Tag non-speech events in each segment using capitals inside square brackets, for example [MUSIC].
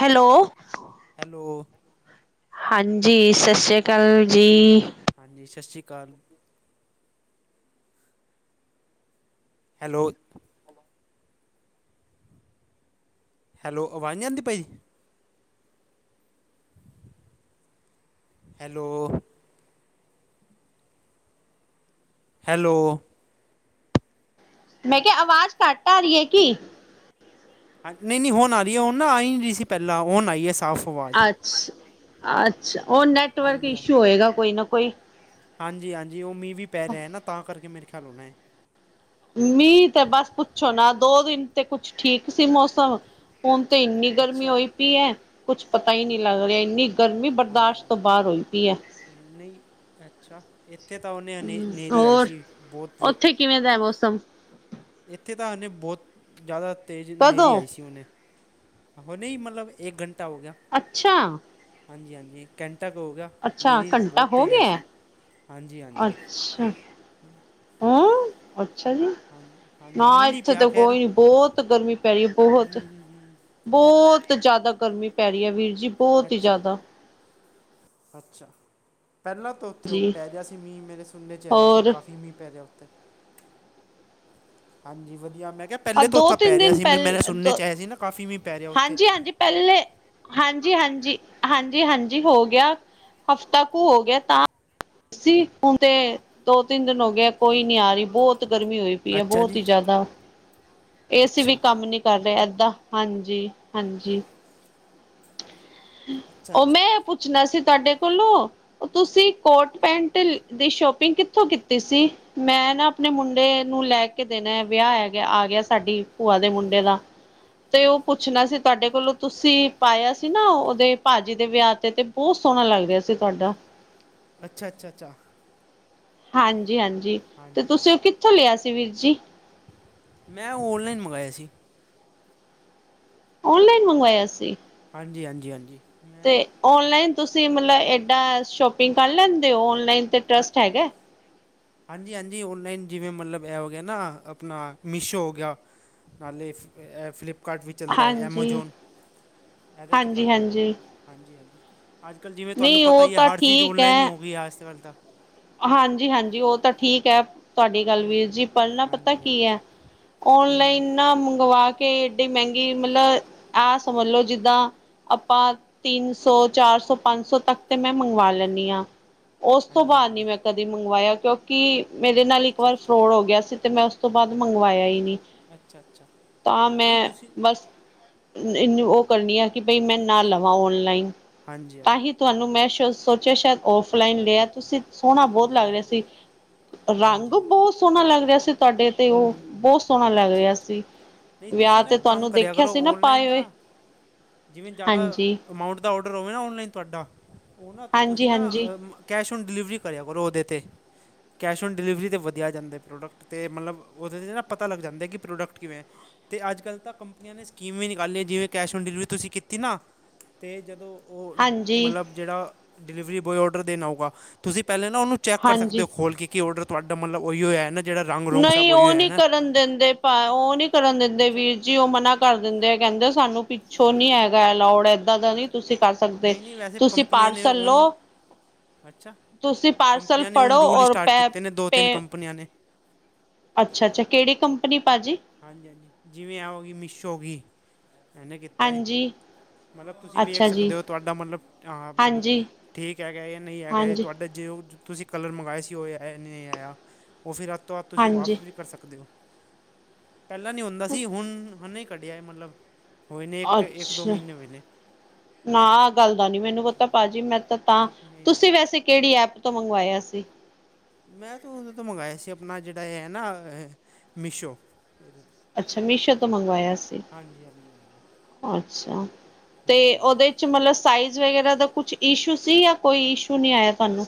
Hello. Hello. ਹਾਂਜੀ, ਸਸ੍ਰੀ ਅਕਾਲ ਜੀ। ਹਾਂਜੀ ਸਸ਼੍ਰੀ ਅਕਾਲ। ਹੈਲੋ। ਹੈਲੋ, ਆਵਾਜ਼ ਨਹੀਂ ਆਂਦੀ ਪਈ। ਹੈਲੋ। ਹੈਲੋ। ਮੈਂ ਕਿਹਾ ਆਵਾਜ਼ ਘੱਟ ਆ ਰਹੀ ਏ ਕਿ? ਨਹੀਂ-ਨਹੀਂ ਹੁਣ ਆ ਰਹੀ ਏ, ਉਹ ਨਾ ਆਈ ਨੀ ਪਹਿਲਾਂ ਹੁਣ ਆਈ ਏ। ਅੱਛ, ਅੱਛਾ, ਉਹ ਨੈਟਵਰਕ ਇਸ਼ੂ ਹੋਏਗਾ ਕੋਈ ਨਾ ਕੋਈ। ਹਾਂਜੀ-ਹਾਂਜੀ, ਉਹ ਮੀਂਹ ਵੀ ਪੈ ਰਿਹਾ ਨਾ, ਤਾਂ ਕਰਕੇ ਮੇਰੇ ਖਿਆਲ ਹੋਣਾ ਏ। ਮੀਂਹ ਤੇ ਬਸ ਪੁੱਛੋ ਨਾ, ਦੋ ਦਿਨ ਤੇ ਕੁੱਛ ਠੀਕ ਸੀ ਮੌਸ ਹੁਣ ਤੇ ਇੰਨੀ ਗਰਮੀ ਅੱਛਾ ਹੋਈ ਪਈ ਐ, ਕੁੱਛ ਪਤਾ ਈ ਨਹੀਂ ਲੱਗ ਰਿਹਾ ਇੰਨੀ ਗਰਮੀ ਹਾਂਜੀ ਬਰਦਾਸ਼ਤ ਤੋਂ ਬਾਹਰ ਹੋਈ ਪੀ ਐ। ਨਹੀਂ, ਅੱਛਾ ਇੱਥੇ ਤਾਂ ਉਹਨੇੇ ਹ, ਹਨੇਰੀ ਆਈ ਹੋਰ ਸੀ ਬਹੁਤ ਵ ਉੱਥੇ ਕਿਵੇਂ ਦਾ ਏ ਮੌਸਮ? ਇੱਥੇ ਤਾਂ ਨੇ ਬਹੁਤ ਜ਼ਿਆਦਾ ਤੇਜ਼ ਹਨੇਰੀ ਕਦੋਂ ਆਈ ਸੀ ਹੁਨੇ। ਹੁਣੇ ਈ ਮਤਲਬ, ਇੱਕ ਘੰਟਾ ਹੋਗਿਆ। ਅੱਛਾ! ਹਾਂਜੀ-ਹਾਂਜੀ, ਕੈਂਟਾ ਕ ਹੋਗਿਆ। ਅੱਛਾ ਘੰਟਾ ਹੋਗਿਆ? ਹਾਂਜੀ ਹਾਂਜੀ ਅੱਛਾ। ਹੰ ਅੱਛਾ ਜੀ, ਹਾਂਜੀ ਹਾਂਜੀ ਨਾ ਮੀਂਹ ਨਹੀਂ ਇੱਥੇ ਪਿਆ ਤਾ ਖੈਰ ਕੋਈ ਨੀ ਬਹੁਤ ਗਰਮੀ ਪੈ ਰਹੀ ਏ, ਬਹੁਤ। ਬਹੁਤ ਜ਼ਿਆਦਾ ਗਰਮੀ ਪੈ ਰਹੀ ਐ, ਵੀਰ ਜੀ। ਬਹੁਤ ਹੀ ਅੱਛਾ, ਜ਼ਿਆਦਾ ਅੱਛਾ ਪਹਿਲਾ ਉੱਥੇ ਉਹ ਜੀ ਪੈ ਰਿਹਾ ਸੀ ਮੀਂਹ, ਮੇਰੇ ਸੁਪਨੇ'ਚ ਆਇਆ ਸੀ, ਹੋਰ ਕਾਫੀ ਮੀਂਹ ਪੈ ਰਿਹਾ ਓਥੇ। ਹਾਂਜੀ ਵਧੀਆ, ਮੈਂ ਕਿਹਾ ਆ ਪਹਿਲੇ ਤੋਂ ਦੋ ਤਾ ਤਿੰਨ ਪੈ ਰਿਹਾ ਦਿਨ ਸੀ, ਪਹਿਲ ਮੇਰੇ ਸੁਣਨੇ'ਚ ਆਇਆ ਸੀ ਨਾ ਕਾਫੀ ਮੀਂਹ ਪੈ ਰਿਹਾ ਉੱਥੇ। ਹਾਂਜੀ ਹਾਂਜੀ ਪਹਿਲੇ, ਹਾਂਜੀ-ਹਾਂਜੀ, ਹਾਂਜੀ-ਹਾਂਜੀ ਹੋਗਿਆ। ਹਫ਼ਤਾ ਕੁ ਹੋਗਿਆ, ਤਾ ਤੁਸੀਂ, ਹੁਣ ਤੇ, ਦੋ-ਤਿੰਨ ਦਿਨ ਹੋ ਗਏ ਕੋਈ ਨੀ ਆ ਰਹੀ ਬਹੋਤ ਬਹੁਤ ਗਰਮੀ ਹੋਈ ਪਈ ਏ, ਅੱਛਾ ਬਹੁਤ ਜੀ ਈ ਜ਼ਿਆਦਾ। ਏਸੀ ਵੀ ਅੱਛਾ ਕੰਮ ਨੀ ਕਰ ਰਹੇ ਏਦਾਂ, ਹਾਂਜੀ-ਹਾਂਜੀ। ਅੱਛਾ ਉਹ ਅੱਛਾ ਮੈਂ, ਪੁੱਛਣਾ ਸੀ ਤੁਹਾਡੇ ਕੋਲੋ ਤੁਸੀ, ਕੋਟ-ਪੈਂਟ ਦੀ ਸ਼ੋਪਿੰਗ ਕਿੱਥੋਂ ਕੀਤੀ ਸੀ? ਮੈਂ ਨਾ ਆਪਣੇ ਮੁੰਡੇ ਨੂੰ ਲੈਕੇ ਦੇਣਾ, ਆ ਵਿਆਹ ਏ। ਵਿਆਹ ਆਗਿਆ ਸਾਡੀ ਭੂਆ ਦੇ ਮੁੰਡੇ ਦਾ, ਤੇ ਉਹ ਪੁੱਛਣਾ ਸੀ ਤੁਹਾਡੇ ਕੋਲੋਂ ਤੁਸੀ ਪਾਇਆ ਸੀ ਨਾ ਉਹਦੇ, ਭਾਜੀ ਦੇ ਵਿਆਹ ਤੇ, ਤੇ ਬਹੁਤ ਸੋਹਣਾ ਲੱਗ ਰਿਹਾ ਸੀ ਤੁਹਾਡਾ। ਅੱਛਾ-ਅੱਛਾ-ਅੱਛਾ। ਹਾਂਜੀ-ਹਾਂਜੀ, ਤੇ ਹਾਂਜੀ ਤੁਸੀਂ ਉਹ ਕਿੱਥੋਂ ਲਿਆ ਸੀ ਵੀਰ ਜੀ? ਮੈਂ ਔਨਲਾਈਨ ਮੰਗਾਇਆ ਸੀ। ਔਨਲਾਈਨ ਮੰਗਵਾਇਆ ਸੀ? ਹਾਂਜੀ ਹਾਂਜੀ ਹਾਂਜੀ ਮੈਂ ਤੇ ਔਨਲਾਈਨ ਤੁਸੀਂ ਮਤਲਬ ਏਡਾ ਸ਼ੋਪਿੰਗ ਕਰ ਲੈਂਦੇ ਓ, ਔਨਲਾਈਨ ਤੇ ਟਰਸਟ ਹੈਗਾ? ਹਾਂਜੀ-ਹਾਂਜੀ, ਔਨਲਾਈਨ ਜਿਵੇਂ ਮਤਲਬ ਐ ਹੋਗਿਆ ਨਾ ਅਪਣਾ ਮੀਸ਼ੋ ਹੋਗਿਆ। ਨਾਲੇ ਫਲੀਪ ਫਲੀਪਕਾਰਟ ਵੀ ਚੱਲਦਾ ਏ, ਹਾਂਜੀ, ਐਮਾਜੋਨ ਐਦੇ 'ਚ ਕਰ ਲੈਂਨੇ ਆ। ਹਾਂਜੀ-ਹਾਂਜੀ। ਹਾਂਜੀ-ਹਾਂਜੀ, ਅੱਜ-ਕੱਲ ਜਿਵੇਂ ਤੁਹਾਨੂੰ ਨਹੀਂ ਪਤਾ ਉਹ ਈ ਆ ਤਾਂ ਹਰ ਚੀਜ਼ ਔਨਲਾਈਨ ਹੀ ਹੋਗੀ ਆ, ਅੱਜ-ਕੱਲ ਤਾ। ਹਾਂਜੀ-ਹਾਂਜੀ, ਉਹ ਤਾ ਠੀਕ ਐ। ਤੁਹਾਡੀ ਗੱਲ ਹੂੰ ਵੀਰ ਹੂੰ ਜੀ ਪਹਿਲਾ ਪਤਾ ਹਾਂਜੀ ਕੀ ਐ, ਹਾਂਜੀ ਹੂੰ ਔਨਲਾਈਨ ਨਾ ਮੰਗਵਾ ਕੇ ਕਿ ਏਡੀ ਮਹਿੰਗੀ ਮਤਲਬ, ਆ ਸਮਝਲੋ ਜਿੱਦਾ ਆਪਾ, ਤਿੰਨ ਸੌ, ਚਾਰ ਸੌ, ਪੰਜ ਸੌ ਤੱਕ ਤਾ ਮੈਂ ਮੰਗਵਾ ਲੈਂਨੀ ਆ। ਉਸ ਤੋਂ ਹਾਂਜੀ ਬਾਅਦ ਨੀ ਹਾਂਜੀ ਮੈਂ ਕਦੇ ਮੰਗਵਾਇਆ, ਕਿਉਂਕਿ ਮੇਰੇ ਨਾਲ ਇੱਕ ਅੱਛਾ ਵਾਰ ਅੱਛਾ ਫਰੋਡ ਹੋਗਿਆ ਸੀ, ਤੇ ਮੈ ਉਸ ਉਹਤੋਂ ਬਾਅਦ ਮੰਗਵਾਇਆ ਈ ਨੀ। ਅੱਛਾ-ਅੱਛਾ, ਨਹੀਂ ਤੁਸੀ ਇੰਨੀ ਓ ਕਰਨੀ ਆ ਕਿ ਬਈ ਮੈਂ ਨਾ ਲਵਾਂ ਓਨਲਾਈਨ। ਹਾਂਜੀ ਤਾਂ ਹੀ ਹਾਂਜੀ ਤੁਹਾਨੂੰ ਮੈਂ ਸ਼ ਸੋਚਿਆ ਸ਼ਾਇਦ ਔਫਲਾਈਨ ਲਿਆ ਤੁਸੀਂ ਸੋਹਣਾ ਬੋਤ ਲੱਗ ਰੇਆ ਸੀ, ਰੰਗ ਹਾਂਜੀ ਈ ਬੋ ਸੋਹਣਾ ਲੱਗ ਰੇਆ ਸੀ ਤੁਹਾਡੇ ਤੇ ਓ ਬੋ ਸੋਹਣਾ ਲੱਗ ਅੱਛਾ ਰੇਆ ਅੱਛਾ ਸੀ। ਨਹੀਂ ਵੇਆ ਤੁਸੀਂ ਨਾ ਤੇ ਇੱਕ ਕੰਮ ਤੁਹਾਨੂੰ ਕਰਿਆ ਦੇਖਿਆ ਕਰੋ ਸੀ ਨਾ ਔਨਲਾਈਨ ਪਾਏ ਹੋਏ। ਦਾ ਜਿਵੇਂ ਜਿਆਦਾ ਹਾਂਜੀ ਅਮਾਊਂਟ ਦਾ ਔਡਰ ਹੋਵੇ ਨਾ ਔਨਲਾਈਨ ਤੁਹਾਡਾ ਓ ਨਾ ਹਾਂਜੀ ਤੁਸੀਂ ਨਾ ਹਾਂਜੀ ਅ ਕੈਸ਼ ਔਨ ਡਿਲੀਵਰੀ ਕਰਿਆ ਕਰੋ ਉਦੇ ਤੇ। ਕੈਸ਼ ਔਨ ਡਿਲੀਵਰੀ 'ਤੇ ਵਧਿਆ ਆ ਜਾਂਦੇ ਪ੍ਰੋਡਕਟ ਤੇ ਮਤਲਬ ਉਦੇ ਤੇ ਨਾ ਪਤਾ ਲੱਗ ਜਾਂਦਾ ਕਿ ਪ੍ਰੋਡਕਟ ਕਿਵੇਂ ਤੇ ਅੱਜ-ਕੱਲ ਤਾਂ ਕੰਪਨੀਆਂ ਨੇ ਸਕੀਮ ਈ ਨਿਕਾਲੀ ਐ ਜਿਵੇਂ ਕੈਸ਼ ਔਨ ਡਿਲੀਵਰੀ ਤੁਸੀਂ ਕੀਤੀ ਨਾ ਤੇ ਜਦੋਂ ਓ ਹਾਂਜੀ ਮਤਲਬ ਜੇੜਾ ਡਿਲੀਵਰੀ ਬੋਆਏ ਔਡਰ ਦੇਣ ਆਊਗਾ ਤੁਸੀਂ ਪੈਲੇ ਨਾ ਉਨੂੰ ਚੈੱਕ ਕਰ ਸਕਦੇ ਹਾਂਜੀ ਓ ਖੋਲ ਕੇ ਕੀ ਔਡਰ ਤੁਹਾਡਾ ਮਤਲਬ ਉਈਓ ਐ ਨਾ ਜਿਹੜਾ ਰੰਗ ਰੋਂਗ ਸਭ ਨਈ ਉਹੀ ਓ ਹੋਇਆ ਹੈ ਨੀ ਨਾ ਕਰਨ ਦਿੰਦੇ ਪਾ ਓ ਨੀ ਕਰਨ ਦਿੰਦੇ ਅੱਛਾ ਵੀਰ ਜੀ ਓ ਮਨਾ ਕਰ ਦਿੰਦੇ ਆ ਕੈਂਦੇ ਸਾਨੂੰ ਪਿੱਛੋਂ ਨੀ ਹੈਗਾ ਅਲੋਡ ਏ ਦਾ-ਦਾ ਨੀ ਅੱਛਾ ਤੁਸੀਂ ਕਰ ਸਕਦੇ ਨਹੀਂ ਨਹੀਂ ਵੈਸੇ ਤੁਸੀਂ ਕੰਪਨੀਆਂ ਨੇ ਪਾਰਸਲ ਲੋ ਉਹਨ ਅੱਛਾ ਤੁਸੀਂ ਪਾਰਸਲ ਕੰਪਨੀਆਂ ਨੇ ਹੁਣ ਫੜੋ ਰੂਲ ਔਰ ਸਟਾਰਟ ਪੈ, ਕੀਤੇ ਨੇ ਦੋ ਤਿੰਨ ਪੇ ਕੰਪਨੀਆਂ ਨੇ ਅੱਛਾ-ਅੱਛਾ ਕੇੜੀ ਕੰਪਨੀ ਭਾਅਜੀ? ਹਾਂਜੀ-ਹਾਂਜੀ ਜਿਵੇਂ ਐਂ ਹੋਗੀ ਮੀਸੋ ਹੋਗੀ, ਇਨੇ ਕੀਤਾ ਏ। ਹਾਂਜੀ, ਮਤਲਬ ਤੁਸੀਂ ਵੇਖ ਅੱਛਾ ਜੀ, ਸਕਦੇ ਓ ਤੁਹਾਡਾ ਮਤਲਬ ਆ ਮਤਲ ਹਾਂਜੀ, ਠੀਕ ਹੈਗਾ ਜਾਂ ਨਈ ਹੈਗਾ ਏ ਹਾਂਜੀ, ਤੁਹਾਡਾ ਜੇ ਓ ਜ ਤੁਸੀਂ ਕਲਰ ਮੰਗਾਏ ਸੀ ਓ ਆਏ ਨੀ ਆਇਆ, ਓ ਫਿਰ ਆਤੋ ਆਤ ਤੁਸੀਂ ਹਾਂਜੀ। ਵਾਪਸ ਵੀ ਕਰ ਸਕਦੇ ਓ। ਪੈਲਾਂ ਨੀ ਹੁੰਦਾ ਸੀ ਹੁਣ ਹੁਨੇ ਈ ਕੱਢਿਆ ਐ ਮਲਬ ਹੋਏ ਨੇ ਇੱਕ, ਇੱਕ-ਦੋ ਅੱਛਾ, ਮ੍ਹੀਨੇ ਹੋਏ ਨੇ। ਨਾ ਆ ਗੱਲ ਦਾ ਨੀ ਮੈਨੂੰ ਪਤਾ ਭਾਅਜੀ ਮੈਂ ਤਾਂ, ਤਾਂ ਅੱਛਾ, ਨਹੀਂ ਨਹੀਂ ਤੁਸੀਂ ਵੈਸੇ ਕੇੜੀ ਐਪ ਤੋਂ ਮੰਗਵਾਇਆ ਸੀ? ਮੈਂ ਤੋਂ ਉਦੇ ਤੋਂ ਮੰਗਾਇਆ ਸੀ ਆਪਣਾ ਜੇੜਾ ਐ ਨਾ ਮੀਸ਼ੋ ਏਦੇ ਤੇ। ਅੱਛਾ ਮੀਸ਼ੋ ਤੋਂ ਮੰਗਵਾਇਆ ਸੀ, ਹਾਂਜੀ ਹਾਂਜੀ ਹਾਂਜੀ ਅੱਛਾ 'ਤੇ ਹੂੰ ਉਦੇ 'ਚ ਮਲਬ ਸਾਈਜ਼ ਵਗੈਰਾ ਦਾ ਕੁਛ ਈਸ਼ੂ ਸੀ ਜਾਂ ਕੋਈ ਈਸ਼ੂ ਨੀ ਆਇਆ ਤੁਹਾਨੂੰ।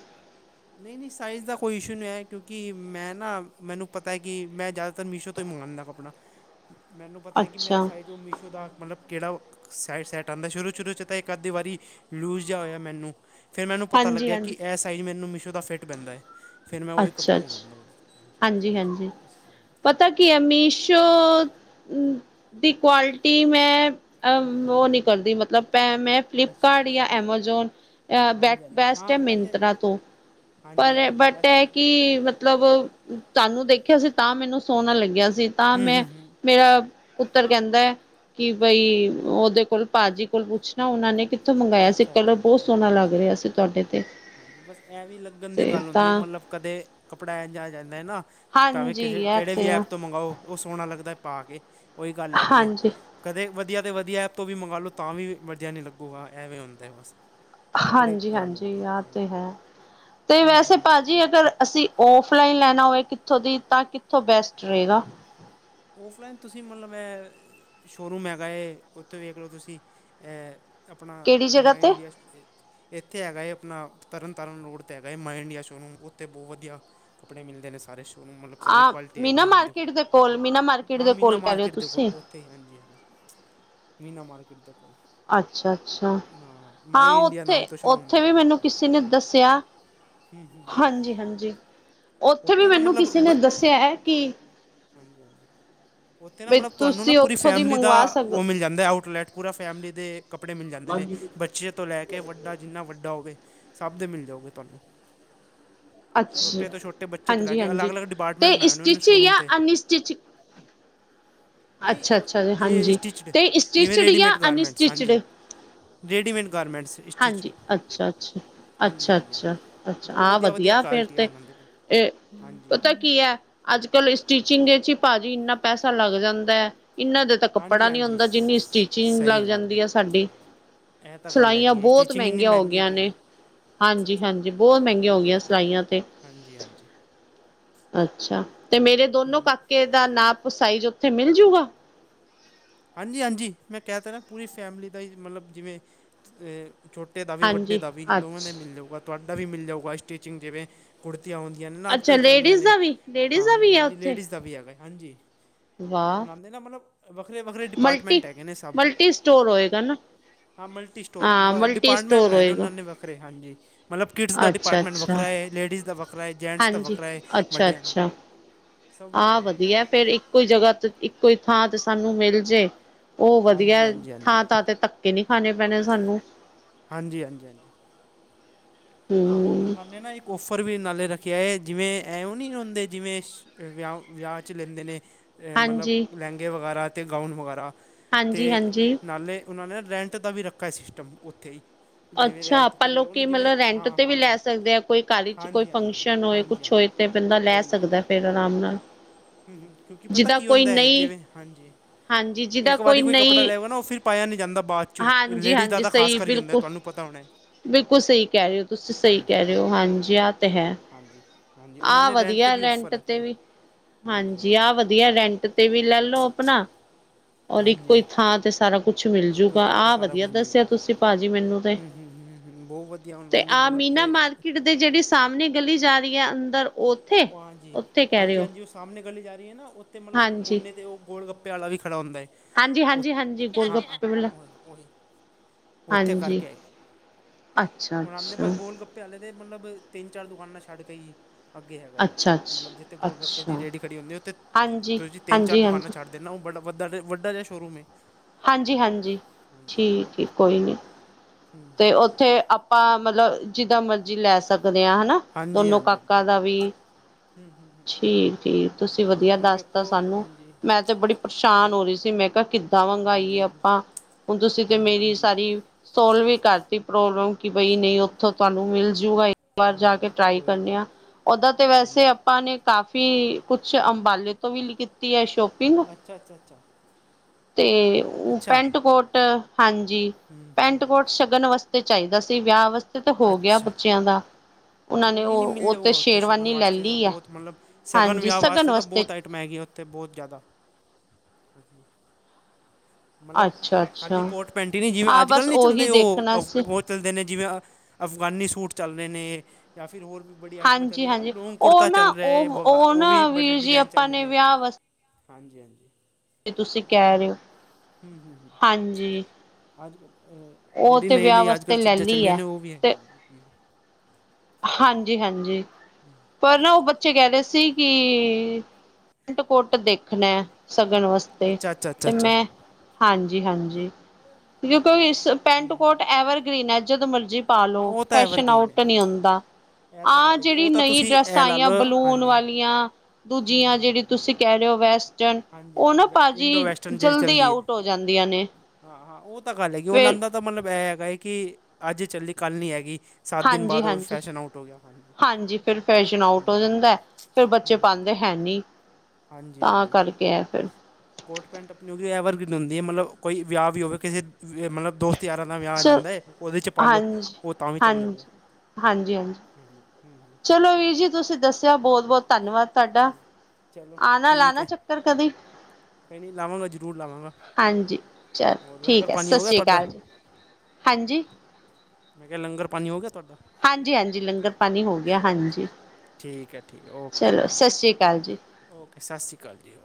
ਨਈ-ਨਈ ਸਾਈਜ਼ ਦਾ ਕੋਈ ਈਸ਼ੂ ਨੀ ਆਇਆ ਕਿਉਂਕਿ ਮੈਂ ਨਾ ਮੈਨੂੰ ਪਤਾ ਐ ਕਿ ਮੈਂ ਜ਼ਿਆਦਾਤਰ ਮੀਸ਼ੋ ਤੋਂ ਈ ਮੰਗਾਣਾ ਕੱਪੜਾ। [INAUDIBLE] ਮੈਨੂੰ ਪਤਾ ਐ ਕਿ ਮੇਰਾ ਅੱਛਾ, ਸਾਈਜ਼ ਓ ਮੀਸ਼ੋ ਦਾ ਮਤਲਬ ਕੇੜਾ ਸਾਈਡ ਸਾਈਟ ਆਂਦਾ ਸ਼ੁਰੂ-ਸ਼ੁਰੂ 'ਚ ਤਾਂ ਇੱਕ ਅੱਧੀ ਵਾਰੀ ਲੂਜ ਜਾਂ ਹੋਇਆ ਮੈਨੂੰ। ਫਿਰ ਮੈਨੂੰ ਪਤਾ ਹਾਂਜੀ, ਲੱਗਿਆ ਹਾਂਜੀ, ਕਿ ਐ ਸਾਈਜ਼ ਮੈਨੂੰ ਮੀਸ਼ੋ ਦਾ ਫਿੱਟ ਬੈਦਾ ਏ। ਫਿਰ ਮੈਂ ਉਈ ਅੱਛਾ, ਕੱਪੜਾ ਅੱਛਾ, ਮੰਗਾਦਾ ਉਦੇ ਤੇ ਹਾਂਜੀ ਸਾਈਜ਼ ਉਸ ਹਿਸਾਬ ਨਾਲ। ਪਤਾ ਕੀ ਐ ਮੀਸ਼ੋ ਦੀ ਕੁਆਲਿਟੀ ਮੈਂ ਅ ਓ ਨੀ ਕਰਦੀ ਮਤਲਬ ਪੈ ਮੈਂ ਅੱਛਾ ਅੱਛਾ ਫਲਿਪਕਾਰਟ ਅੱਛਾ ਜਾਂ ਐਮਾਜ਼ੋਨ ਅ ਬੈ ਹਾਂਜੀ ਹਾਂਜੀ ਬੈਸਟ ਹਾਂ ਐ ਵੈਸੇ ਮਿੰਤਰਾ ਤੋਂ। ਪਰ ਹਾਂਜੀ ਏ ਹਾਂਜੀ ਬਟ ਵੈਸੇ ਐ ਕਿ ਕੀ ਮਤਲਬ ਤੁਹਾਨੂੰ ਦੇਖਿਆ ਸੀ ਤਾਂ ਮੈਨੂੰ ਸੋਹਣਾ ਲੱਗਿਆ ਸੀ ਤਾਂ ਹੂੰ ਮੈਂ ਹੂੰ ਹੂੰ ਮੇਰਾ ਪੁੱਤਰ ਕੈਂਦਾ ਐ ਕਿ ਬਾਈ ਉਦੇ ਕੋਲ ਭਾਅਜੀ ਕੋਲ ਪੁੱਛਣਾ ਉਨਾਂ ਨੇ ਕਿ ਥੋਂ ਮੰਗਾਇਆ ਸੀ ਅੱਛਾ ਕਲਰ ਅੱਛਾ ਬੋ ਅੱਛਾ ਅੱਛਾ ਸੋਹਣਾ ਲੱਗ ਹਾਂਜੀ ਰੇਆ ਹਾਂਜੀ ਸੀ ਤੁਹਾਡੇ ਤੇ। ਹਾਂਜੀ ਬਸ ਐ ਵੀ ਲੱਗਣ ਦੀ ਤੇ ਗੱਲ ਹੁੰਦੀ ਤਾਂ ਏ ਮਤਲਬ ਕਦੇ ਕੱਪੜਾ ਇਝ ਆ ਜਾਂਦਾ ਏ ਨਾ ਭਾਵੇਂ ਹਾਂਜੀ ਕਿਸੇ ਇਹ ਕੈੜੇ ਵੀ ਤੇ ਆ ਐਪ ਤੋਂ ਮੰਗਾਓ ਓ ਸੋਹਣਾ ਲੱਗਦਾ ਐ ਪਾ ਕੇ ਉਈ ਗੱਲ ਹੈਗੀ ਏ। ਹਾਂਜੀ ਕਦੇ ਵਧੀਆ ਤੇ ਵਧੀਆ ਐਪ ਤੋਂ ਵੀ ਮੰਗਾਲੋ ਤਾਂ ਵੀ ਵਧੀਆ ਨੀ ਲੱਗੁਗਾ ਐਵੇਂ ਹੁੰਦੈ ਬਸ। ਕੱਪੜੇ ਗੱਲ ਹਾਂਜੀ-ਹਾਂਜੀ ਹੁੰਦੀ ਹੈ ਆ ਤੇ ਹਾਂਜੀ ਹੈ 'ਤੇ ਹੂੰ ਵੈਸੇ ਹੂੰ ਭਾਅਜੀ ਤੇ ਅਗਰ ਅਸੀਂ ਔਫ ਲਾਈਨ ਲੈਣਾ ਹੋਵੇ ਕਿੱਥੋਂ ਦੀ ਤਾਂ ਕਿੱਥੋਂ ਬੈਸਟ ਰਹੇਗਾ। ਔਫਲਾਈਨ ਤੁਸੀਂ ਮਤਲਬ ਸ਼ੋਅਰੂਮ ਹੈਗਾ ਹੈ ਉੱਥੇ ਵੇਖ ਲਓ ਤੁਸੀਂ ਐ। ਆਪਣਾ ਕਿਹੜੀ ਜਗ੍ਹਾ ਮਾਈ ਤੇ? ਇੰਡੀਆ। ਇੱਥੇ ਹੈਗਾ ਏ ਆਪਣਾ ਤਰਨ ਤਾਰਨ ਰੋਡ ਤੇ ਹੈਗਾ ਏ ਮਾਈ ਇੰਡੀਆ ਸ਼ੋਅ ਰੂਮ ਉੱਥੇ ਬਹੁਤ ਵਧੀਆ। ਕੱਪੜੇ ਮਿਲਦੇ ਨੇ ਸਾਰੇ ਸ਼ੋਰੂਮ ਮਤਲਬ ਸਾਰੀ ਕੁਆਲਿਟੀ ਹੈਗੀ ਆ ਉਹਨਾਂ ਦੇ ਕੋਲ। ਤੇ ਕੋੋਲ ਮੀਨਾ। ਮਾਰਕੀਟ ਹਾਂ ਦੇ ਮੀਨਾ ਕੋਲ ਕਹਿ ਰਹੇ ਹੋ ਮਾਰਕੀਟ ਦੇ ਕੋਲ ਤੁਸੀਂ? ਉੱਥੇ ਹੀ ਹਾਂਜੀ- ਹਾਂਜੀ ਮੀਨਾ ਮਾਰਕੀਟ ਦੇ ਕੋਲ। ਅੱਛਾ-ਅੱਛਾ ਹਾਂ ਮਾਈ ਇੰਡੀਆ ਨਾਮ ਉੱਥੇ ਤੋਂ ਸ਼ੋਅਰੂਮ ਉੱਥੇ ਬਣਾ ਵੀ ਹੈ ਮੈਨੂੰ ਹਾਂਜੀ ਕਿਸੇ ਨੇ ਦੱਸਿਆ। ਹਾਂਜੀ-ਹਾਂਜੀ ਉੱਥੇ ਵੀ ਨਾ ਮੈਨੂੰ ਮਤਲਬ ਕਿਸੇ ਬ ਨੇ ਦੱਸਿਆ ਹੈ ਕਿ। ਹਾਂਜੀ ਹਾਂਜੀ ਉੱਥੇ ਨਾ ਤੁਸੀਂ ਉੱਥੋਂ ਦੀ ਮੰਗਵਾ ਸਕਦੇ ਹੋ। ਪਜਾਮੇ ਆਊਟਲੈਟ ਪੂਰਾ ਫੈਮਲੀ ਦੇ। ਕੱਪੜੇ ਮਿਲ ਜਾਂਦੇ ਨੇ ਬੱਚੇ ਤੋਂ ਲੈ ਕੇ ਵੱਡ ਜਿੰਨਾ ਵੱਡਾ ਹੋਵੇ ਸਭ ਦੇ ਮਿਲ ਜਾਓਗੇ ਤੁਹਾਨੂੰ। ਅੱਛਾ ਛੋਟੇ ਤੋਂ ਛੋਟੇ ਬੱਚੇ ਤੋਂ ਲੈ ਹਾਂਜੀ ਕੇ ਹਾਂਜੀ ਅਲੱਗ-ਅਲੱਗ ਡਿਪਟਮੈਂਟ ਤੇ ਬਣਾਏ ਨੇ ਉਹਨਾ ਸਟਿਚ ਸ਼ੋਰੂਮ ਤੇ। [UNINTELLIGIBLE] ਨਹੀਂ ਅੱਛਾ ਓ ਅੱਛਾ ਜੀ ਇਹ ਹਾਂਜੀ ਅਸਟਿਚਡ ਤੇ ਜਿਵੇਂ ਸਟਿਚਡ ਜਾਂ ਰੇਡੀਮੇਡ ਗਾਰਮੈਂਟਸ ਹਾਂਜੀ। Unstitched readymade garments. ਸਟਿਚਡ ਹਾਂਜੀ ਅੱਛਾ-ਅੱਛਾ। ਹਾਂਜੀ ਹਾਂਜੀ ਹਾਂਜੀ ਅੱਛਾ-ਅੱਛਾ-ਅੱਛਾ ਬਹੁਤ ਆਹ ਵਧੀਆ ਫੇਰ ਕੁਆਲਿਟੀ ਆ ਤੇ ਉਹਨਾਂ ਦੇ ਕੋਲ ਇਹ ਹਾਂਜੀ ਪਤਾ ਕੀ ਹੈ। ਅੱਜ ਕੱਲ੍ਹ ਸਟੀਿਚਿੰਗ ਦੇ ਵਿੱਚ ਹੀ ਭਾਜੀ ਇੰਨਾ ਪੈਸਾ ਲੱਗ ਜਾਂਦਾ ਹੈ ਇੰਨਾ ਜਿਆਦਾ। ਤਾਂ ਹਾਂਜੀ ਕੱਪੜਾ ਨੀ ਹਾਂਜੀ ਹੁੰਦਾ ਸ ਜਿੰਨੀ ਸਟੀਚਿੰਗ ਲੱਗ ਸਹੀ ਗੱਲ ਜਾਂਦੀ ਹੈ ਸਾਡੀ ਇਹ ਤਾਂ ਗੱਲ ਸਿਲਾਈਆਂ। ਹੈਗੀ ਹੈ ਬਹੁਤ ਸਟਿਚਿੰਗ ਇੰਨੀ ਮਹਿੰਗੀਆਂ ਹੋ ਮਹਿੰਗੀ ਗਈਆਂ ਪਈ ਨੇ ਹੈ ਹਾਂਜੀ-ਹਾਂਜੀ ਬਹੁਤ ਮਹਿੰਗੀਆਂ ਹੋ ਰੇਟ ਗਈਆਂ ਦੀ। ਸਿਲਾਈਆਂ ਤੇ। ਹਾਂਜੀ ਹਾਂਜੀ ਅੱਛਾ ਤੇ ਮੇਰੇ ਦੋਨੋ ਹੂੰ ਕਾਕੇ ਦਾ ਨਾਪ ਸਾਈਜ਼ ਉੱਥੇ ਮਿਲਜੂਗਾ। ਹਾਂਜੀ- ਹਾਂਜੀ ਮੈਂ ਕਹਿ ਤਾ ਨਾ ਪੂਰੀ ਫੈਮਿਲੀ ਦਾ ਹੀ ਮਤਲਬ ਜਿਵੇਂ ਏ। ਛੋਟੇ ਦਾ ਵੀ ਵੱਡੇ ਹਾਂਜੀ ਦਾ ਵੀ ਦੋਵਾਂ ਦਾ ਅੱਛ ਹੀ ਮਿਲ ਜਾਊਗਾ ਤੁਹਾਡਾ ਵੀ ਮਿਲ ਜਾਊਗਾ ਸਟੀਚਿੰਗ ਜਿਵੇਂ। ਕੁੜਤੀਆਂ ਹੁੰਦੀਆਂ ਨੇ ਨਾ ਅੱਜ ਅੱਛਾ ਕੱਲ੍ਹ ਚੱਲਦੀਆਂ ਲੇਡੀਜ਼ ਨੇ ਦਾ ਵੀ ਲੇਡੀਜ਼ ਦਾ ਵੀ ਐ ਹਾਂਜੀ-ਹਾਂਜੀ ਉੱਥੇ ਲੇਡੀਜ਼ ਦਾ ਵੀ ਹੈਗਾ ਹਾਂਜੀ। ਉਹ ਵਾਹ ਲਉਂਦੇ ਨਾ ਮਤਲਬ ਵੱਖਰੇ-ਵੱਖਰੇ ਮਲਟੀ ਡਿਪਾਰਟਮੈਂਟ ਹੈਗੇ ਨੇ ਸਭ। ਮਲਟੀ ਸਟੋਰ ਹੋਏਗਾ ਨਾ ਹਾਂ ਮਲਟੀ ਸਟੋਰ ਹਾਂ ਮਲਟੀ ਡਿਪਾਰਟਮੈਂਟ ਸਟੋਰ ਬਣਾਏ ਨੇ ਹੋਏਗਾ ਉਹਨਾਂ ਨੇ ਵੱਖਰੇ ਹਾਂਜੀ। ਮਤਲਬ ਕਿਡਸ ਦਾ ਅੱਛਾ ਡਿਪਾਰਟਮੈਂਟ ਅੱਛਾ ਵੱਖਰਾ ਹੈ ਲੇਡੀਜ਼ ਦਾ ਵੱਖਰਾ ਹੈ ਜੈਂਟਸ ਦਾ ਹਾਂਜੀ ਵੱਖਰਾ ਹੈ ਅੱਛਾ ਵੱਡਿਆ ਦਾ। ਅੱਛਾ ਸਭ ਵੱਖਰਾ ਆਹ ਹੈ ਵਧੀਆ ਫੇਿਰ ਇੱਕੋ ਹੀ ਜਗ੍ਹਾ ਤੇ ਇੱਕੋ ਹੀ ਥਾਂ ਤੇ ਸਾਨੂੰ ਮਿਲ ਜੇ। ਉਹ ਵਧੀਆ ਹਾਂਜੀ ਹਾਂਜੀ ਹਾਂਜੀ ਥਾ ਥਾ-ਤੇ ਧੱਕੇ ਨਹੀ ਖਾਣੇ ਪੈਣੇ ਸਾਨੂੰ। ਹਾਂਜੀ-ਹਾਂਜੀ-ਹਾਂਜੀ। ਸਗੋਂ ਹਮ ਉਹਨਾਂ ਨੇ ਨਾ ਇੱਕ। ਪਰਵੀ ਨਾਲੇ ਰੱਖੇ ਐ ਜਿਵੇਂਂ ਆਉਏ ਨੀ ਹੁੰਦੇ ਜਿਵੇਂ, ਜਿਵੇਂ ਵਿਆ ਵਿਆਹ 'ਚ ਲੈਂਦੇ ਨੇ। ਤੇ ਮਤਲਬ ਹਾਂਜੀ ਲਹਿੰਗੇ ਵਗੈਰਾ ਅਤੇ ਗਾਊਨ ਵਗੈਰਾ ਤੇ ਹਾਂਜੀ ਹਾਂਜੀ ਨਾਲੇ। ਉਹਨਾਂ ਨੇ ਰੈਂਟ ਦਾ ਵੀ ਰੱਖਾ ਸਿਸਟਮ ਉੱਥੇ ਹੀ। ਜਿਵੇਂ ਅੱਛਾ ਰੈਂਟ ਪਰ 'ਤੇ ਲਵੋ ਨਾ ਲੋਕੀ ਜਿਵੇਂ ਮਤਲਬ। ਰੈਂਟ ਹਾਂ 'ਤੇ ਵੀ ਹਾਂ ਹਾਂ ਲੈ ਸਕਦੇ ਆ ਕੋਈ ਕਾਹਲੀ ਚੋ ਕੋਈ ਹਾਂਜੀ ਹਾਂਜੀ ਫੰਕਸ਼ਨ ਹੋਏ ਹਾਂਜੀ ਕੁਛ ਹਾਂਜੀ ਹੋਏ ਤਾਂ ਬੰਦਾ ਲੈ ਸਕਦਾ। ਆਰਾਮ ਨਾਲ। ਹਮ-ਹਮ ਕਿਉਂਕਿ ਪਤਾ ਜਿਹਦਾ ਕੀ ਕੋਈ ਹੁੰਦਾ ਹੈ ਨਹੀਂ ਜਿਵੇਂ ਹਾਂਜੀ। ਹਾਂਜੀ ਜਿਹਦਾ ਇੱਕ ਵਾਰ ਕੋਈ ਕੱਪੜਾ ਨਹੀਂ ਲੈਵੋ ਨਾ ਉਹ ਫਿਰ ਪਾਇਆ ਨਹੀ ਜਾਂਦਾ ਬਾਅਦ ਚੋ ਹਾਂਜੀ ਲੇਡੀਜ਼ ਹਾਂਜੀ ਤਾਂ ਖਾਸ ਸਹੀ ਕਰ ਹੀ ਹੁੰਦਾ ਬਿਲਕੁਲ ਤੁਹਾਨੂੰ। ਪਤਾ ਹੇਣਾ [UNINTELLIGIBLE] ਬਿਲਕੁਲ ਸਹੀ ਕਹਿ ਰਹੇ ਹੋ ਤੁਸੀਂ ਤੁਸੀਂ ਸਹੀ ਕਹਿ ਰਹੇ ਹੋ ਉਹੀ ਉਹੀ ਉਹੀ ਹਾਂਜੀ ਆਹ ਤਾਂ ਹੈ। ਹਾਂਜੀ। ਹਾਂਜੀ ਉਹਨਾਂ ਆਹ ਨੇ 'ਤੇ ਵਧੀਆ ਵੀ ਔਫਰ ਰੈਂਟ ਤੇ ਰੱਖਿਆ ਹੈ। ਵੀ ਹਾਂਜੀ ਆਹ ਵਧੀਆ। ਵਧੀਆ ਰੈਂਟ ਤੇ ਵੀ ਲੈਲੋ ਆਪਣਾ ਔਰ ਇੱਕੋ ਹੀ ਹਾਂਜੀ ਥਾਂ। ਸਾਰਾ ਕੁਛ ਇੱਕੋ ਹੀ ਮਿਲਜੂਗਾ ਥਾਂ 'ਤੇ ਆ ਸਾਰਾ ਵਧੀਆ ਕੁਝ ਮਿਲ ਦੱਸਿਆ ਜਾਊ ਤੁਸੀਂ ਹਾਂਜੀ ਪਾਜੀ ਮੇਨੂੰ ਤੇ ਹੂੰ ਹੂੰ ਹੂੰ ਹੂੰ ਬਹੁਤ ਵਧੀਆ ਉਹਨਾਂ ਤੇ ਦੀ ਆਹ ਮਤਲਬ ਮੀਨਾ ਇਹ ਮਾਰਕੀਟ ਦੇ ਜੇੜੀ ਸਾਹਮਣੇ ਗਲੀ ਜਾ ਰੀ ਐ ਅੰਦਰ ਓਥ ਓ ਹਾਂਜੀ, ਹਾਂਜੀ-ਹਾਂਜੀ ਉਸ ਸਾਮਣੇ ਗਲੀ ਜਾ ਰੀ ਏ ਨਾ ਓਥੇ ਮਤਲਬ ਹਾਂਜੀ ਕੋਨੇ ਤੇ ਓ ਗੋਲ- ਗੱਪੇ ਵਾਲਾ ਈ ਖੜਾ ਹੁੰਦਾ ਏ। ਹਾਂਜੀ ਓ ਹਾਂਜੀ ਹਾਂਜੀ ਗੋਲ ਹਾਂਜੀ-ਹਾਂਜੀ ਗੱਪੇ ਵਾਲਾ ਓਈ ਓਥੇ ਕਰ ਹਾਂਜੀ ਕੇ ਆਈ। ਅੱਛਾ ਓਣਾ ਦੇ ਬਸ ਅੱਛਾ ਗੋਲ-ਗੱਪੇ ਆਂਦੇ ਨੇ ਮਤਲਬ ਤਿੰਨ-ਚਾਰ ਦੁਕਾਨਾਂ ਛੱਡ ਕੇ ਈ ਅੱਗੇ ਹੈਗਾ ਜੀ ਅੱਛਾ ਅੱਛਾ ਮਤਲਬ ਜਿੱਥੇ ਗੋਲ-ਗੱਪੇ ਦੀ ਅੱਛਾ ਰੇੜੀ ਖੜੀ ਹੁੰਦੀ ਐ ਓਥੇ ਹਾਂਜੀ ਤੁਸੀਂ ਤਿੰਨ-ਚਾਰ ਹਾਂਜੀ ਦੁਕਾਨਾਂ ਹਾਂਜੀ ਛੱਡ ਨਾ ਓ ਬੜਾ ਵਦਾ ਤੇ ਵੱਡਾ ਜੇਆ ਸ਼ੋਰੂਮ ਏ ਹਾਂਜੀ-ਹਾਂਜੀ ਠੀਕ ਏ, ਕੋਈ ਨੀ ਹੂੰ ਤੇ ਹੂੰ ਓਥੇ ਆਪ ਹਾਂ ਮਤਲਬ ਜਿੱਦਾਂ ਮਰਜ਼ੀ ਲੈ ਸਕਦੇ ਆਂ ਹੈਨਾ ਹਾਂਜੀ ਹਾਂਜੀ ਦੋਨੋ ਹਾਂਜੀ ਕਾਕਾਾਂ ਦਾ ਹੂੰ ਵੀ ਠੀਕ ਏ ਤੁਸੀਂ ਵਧੀਆ ਹੁਣ ਦੱਸਤਾ ਵੇਖੋ ਸਾਨੂੰ। ਹਾਂਜੀ ਮੈਂ ਤੇ ਬੜੀ ਪਰੇਸ਼ਾਨ ਕੋਈ ਹੋ ਰੀ ਸੀ। ਮੈਂ ਕੇਆ ਕਿ ਮੰਗਾਈਏ ਹਾਂਜੀ ਹਾਂਜੀ ਆਪਾਂ ਹੁਣ ਤੁਸੀਂ ਤੇ ਮੇਰੀ ਸਾਰੀ ਸੋਲ ਵੀ ਕਰਤੀ। ਰਊ-ਰਊ ਕਿ ਬਈ ਨਈ ਚਲੋ ਓਥੋਂ ਤੁਆਨੂੰ ਕੋਈ ਮਿਲ ਜੂਗਾ ਇੱਕ ਵਾਰ ਹਾਂਜੀ ਜਾ ਕੇ ਹਾਂਜੀ ਟਰਾਈ ਕੋਈ ਕਰਨੇ ਨਹੀਂ ਆ। ਓਦਾ ਤੇ ਵੈਸੇ ਹਾਂਜੀ ਆਪਾਂ ਨੇ ਕਾਫੀ ਕੁਛ ਅੰਬਾਲੇ ਤੋਂ ਵੀ ਕੀਤੀ ਐ ਸ਼ੋਪਿੰਗ ਅਛਾ-ਅਛਾ-ਅਛਾ। ਤੇ ਓ ਪੈਂਟ-ਕੋਟ ਹਾਂਜੀ, ਹੂੰ ਹੂੰ ਪੈਂਟ-ਕੋਟ ਸ਼ਗਨ ਵਾਸ ਤੇ ਚਾਇਦਾ ਸੀ। ਵਿਆਹ ਵਾਸਤੇ ਤੇ ਹੋ ਗਿਆ ਅੱਛਾ ਬੱਚਿਆਂ ਦਾ। ਉਹਨਾਂ ਹਾਂਜੀ, ਨੇ ਨੀ-ਨੀ ਉਹ ਮਿਲ ਉਹ ਤੇ ਜਾਊਗਾ ਓਥੇ ਸ਼ਗਨ ਸ਼ੇਰਵਾਨੀ ਲੈ ਵਾਸਤੇ ਤਾਂ ਲਈ ਹੈ ਬੋਤ ਮਤਲਬ ਸ਼ਗਨ ਹਾਂਜੀ ਵਿਆਹ ਸਗਨ ਵਾਸਤੇ ਤਾਂ ਬੋਤ ਆਇ- ਟਮਾ ਹੈਗੀਆ ਓਥੇ ਬੋਤ ਜਾਦਾ। ਮਤਲਬ ਅੱਛਾ ਖਾਲੀ ਅੱਛਾ ਕੋਟ-ਪੈਂਟ ਈ ਨੀ ਜਿਵੇਂ ਹਾਂ ਅੱਜ-ਕੱਲ ਬਸ ਨੀ ਉਹੀ ਚੱਲਦੇ ਓ ਦੇਖਣਾ ਸੀ ਕੋਫਕੋਨ ਚਲਦੇ ਨੇ, ਜਿਵੇਂ ਅਫਗਾਨੀ ਸੂਟ ਚੱਲ ਰੇ ਨੇ ਯਾਂ ਫਿਰ ਹੋਰ ਵੀ ਬੜੀਆਂ ਆਈਟਮਾਂ ਹਾਂਜੀ ਚੱਲਦੀਆਂ ਨੇ ਹਾਂਜੀ ਲੋਂਗ ਉਹ ਕੁੜਤਾ ਨਾ ਚੱਲ ਰੇਆ ਏ ਉਹ ਉਹ ਓ ਵੀ ਨਾ ਬੜੇ ਵੀਰ ਜੀ ਡਿਜ਼ਾਇਨ ਆਪਾਂ ਚੱਲਦੇ ਨੇ। ਹਾਂਜੀ-ਹਾਂਜੀ। ਤੇ ਤੁਸੀਂ ਕੈ ਰੇ ਓ ਹੂੰ-ਹੂੰ-ਹੂੰ ਅੱਜ ਅ ਉਹ ਜੇੜੀ ਤੇ ਵਿਆਹ ਨਈਂ-ਨਈ, ਅੱਜ-ਕੱਲ ਵਾਸਤੇ ਲੈ ਚੀਜ਼ਾਂ ਲਈ ਚੱਲੀਆਂ ਹੈ ਨੇ ਓ ਵੀ ਐ ਹਾਂਜੀ-ਹਾਂਜੀ। ਹੂੰ। ਪਰ ਨਾ ਓ ਬੱਚੇ ਕੈ ਰੇ ਸੀ ਕਿ ਪੈਂਟ-ਕੋਟ ਦੇਖਣਾ ਸ਼ਗਨ ਵਾਸ- ਅੱਛਾ ਅੱਛਾ ਅੱਛਾ ਤੇ ਅੱਛਾ ਮੈਂ ਹਾਂਜੀ-ਹਾਂਜੀ ਲਿਕਿਉ ਇਸ ਪੈਂਟ-ਕੋਟ ਐਵਰਗ੍ਰੀਨ ਐ, ਜਦੋਂ ਮਰਜ਼ੀ ਹਾਂ ਪਾਲੋ ਉਹ ਤਾਂ ਫੈਸ਼ਨ ਐਵਰਗ੍ਰੀਨ ਆਊਟ ਹੈ ਈ ਨੀ ਹੁੰਦਾ। ਇਹ ਤਾਂ ਆਹ ਗੱਲ ਹੈਗੀ ਜੇੜੀ ਉਹ ਤਾਂ ਨਈ ਤੁਸੀਂ ਡਰੈੱਸਾਂ ਇਹ ਲਾ ਆਈਆਂ ਲਓ ਬਲੂਨ ਹਾਂਜੀ ਵਾਲੀਆਂ ਹੂੰ ਦੂਜੀਆਂ ਹੂੰ ਜੇੜੀ ਤੁਸੀਂ ਕੈ ਰੇ ਓ ਵੈਸਟਰਨ ਹਾਂਜੀ ਓ ਹਾਂਜੀ ਨਾ ਵੈ ਪਾਜੀ ਇੰਡੋ ਜਲਦੀ ਆਊਟ ਹੋ ਜਾਂਦੀਆਂ ਨੇ ਤੇ ਹਾਂ-ਹਾਂ, ਓ ਤਾਂ ਗੱਲ ਹੈਗੀ ਓਨਣਾ ਐਦਾ ਤਾਂ ਮਤਲਬ ਐ ਹੈਗਾ ਐ ਕਿ ਅੱਜ ਚੱਲੀ ਕੱਲ ਨੀ ਹੈਗੀ। ਸੱਤ ਦਿਨ ਬਾਅਦ ਉਹ ਹਾਂਜੀ-ਹਾਂਜੀ, ਫੈਸ਼ਨ ਆਊਟ ਹੋ ਗਿਆ ਹਾਂਜੀ ਫਿਰ ਫੈਸ਼ਨ ਹੂੰ ਆਊਟ ਹੋ ਹੂੰ ਜਾਂਦਾ ਐ ਫਿਰ ਹੂੰ ਬੱਚੇ ਹੂੰ ਪਾਦੇ ਦੇ ਹੈ ਨੀ ਤਾਂ ਕਰਕੇ ਐ ਫਿਰ ਕੋਟ-ਪੈਂਟ ਆਪਣੀ ਓ ਐਵਰਗ੍ਰੀਨ ਹੁੰਦੀ ਏ ਮਤਲਥ ਕੋਈ ਵਿਆ-ਵਿਊ ਅਹੋਵੇ ਕਿਸੇ ਈ ਮਤਲਬ ਦੋ ਸਤ-ਯਾਰਾਂ ਦਾ ਵਿਆਹ ਆ ਚ ਜਾਂਦਾ ਏ। ਓਦੇ ਚ ਪਾਲੋ ਹਾਂਜੀ ਓ ਤਾਂ ਵੀ ਹਾਂਜੀ ਚੱਲ ਜਾਊਗੀ। ਹਾਂਜੀ ਹੂੰ-‌ ਹੂੰ। ਚਲੋ ਵੀਰ ਜੀ ਤੁਸੀਂ ਦੱਸਿਆ ਬੋਤ-ਬੋਤ ਧੰਨਵਾਦ। ਤਾਡਾ ਹਾਂਜੀ ਚਲੋ ਠੀਕ ਆਣਾ-ਲਾਣਾ ਹੈ ਚੱਕਰ ਕਦੀ। ਕੋਈ ਨਹੀਂ ਲਾਵਾਂਗਾ ਜ਼ਰੂਰ ਲਾਵਾਂਗਾ ਹਾਂਜੀ ਚਲ ਹੋਰ ਲੰਗਰ ਠੀਕ ਐ ਪਾਣੀ ਹੋ ਗਿਆ ਸ਼ਸ੍ਰੀ ਤੁਹਾਡਾ ਕਾਲ ਜੀ। ਹਾਂਜੀ ਮੈਂ ਕੇਆ ਲੰਗਰ-ਪਾਨੀ ਹੋ ਗਯਾ ਤੁਆਡਾ? ਹਾਂਜੀ-ਹਾਂਜੀ, ਲੰਗਰ ਪਾਨੀ ਹੋ ਗਯਾ ਚਲੋ ਹਾਂਜੀ। ਠੀਕ ਐ, ਠੀਕ ਓਕੇ। ਸ਼ਸ਼ੀ ਕਾਲ ਜੀ। ਓਕੇ, ਸਸ਼ੀ ਕਾਲ ਜੀ।